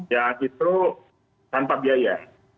yang itu tanpa biaya